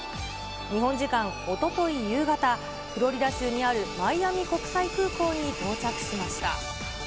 日本時間おととい夕方、フロリダ州にあるマイアミ国際空港に到着しました。